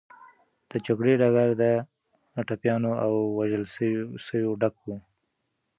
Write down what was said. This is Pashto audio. د جګړې ډګر د ټپيانو او وژل سوو ډک و.